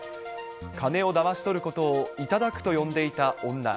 金をだまし取ることを頂くと呼んでいた女。